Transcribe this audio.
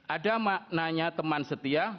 ada maknanya teman setia